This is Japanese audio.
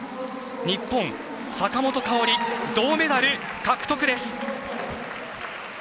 日本、坂本花織銅メダル獲得です！